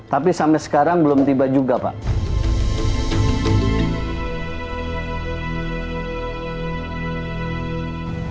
tapi sampai sekarang belum tiba juga pak